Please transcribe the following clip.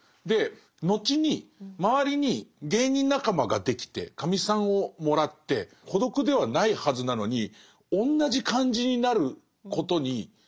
で後に周りに芸人仲間ができてカミさんをもらって孤独ではないはずなのにおんなじ感じになることに。